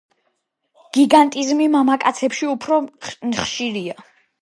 გიგანტიზმი მამაკაცებში უფრო ხშირია.